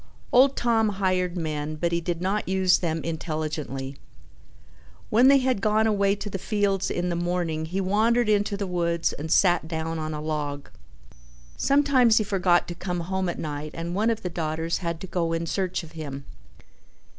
Old Tom hired men but he did not use them intelligently. When they had gone away to the fields in the morning he wandered into the woods and sat down on a log. Sometimes he forgot to come home at night and one of the daughters had to go in search of him.